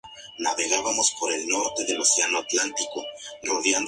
Contó con numerosos discípulos que imitaron su estilo.